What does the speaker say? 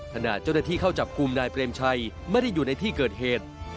ขณะเจ้าหน้าที่เข้าจับกลุ่มนายเปรมชัยไม่ได้อยู่ในที่เกิดเหตุ